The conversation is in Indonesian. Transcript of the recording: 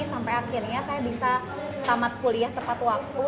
sampai akhirnya saya bisa tamat kuliah tepat waktu